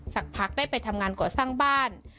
สักพักได้ไปทำงานก่อสร้างบ้าน